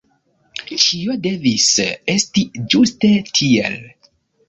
Ĉio devis esti ĝuste tiel.